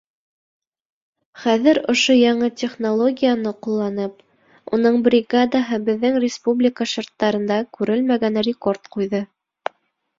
Хәҙер ошо яңы технологияны ҡулланып, уның бригадаһы беҙҙең республика шарттарында күрелмәгән рекорд ҡуйҙы.